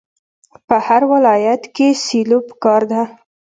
په هر ولایت کې سیلو پکار ده.